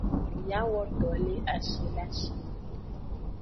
Miawo do le ashi le ashime.